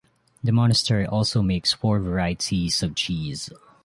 The monastery also makes four varieties of cheese.